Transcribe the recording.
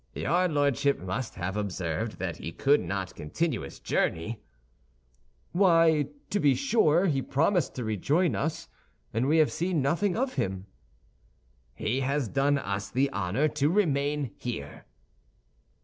"Your Lordship must have observed that he could not continue his journey." "Why, to be sure, he promised to rejoin us, and we have seen nothing of him." "He has done us the honor to remain here."